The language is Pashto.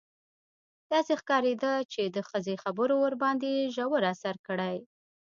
داسې ښکارېده چې د ښځې خبرو ورباندې ژور اثر کړی.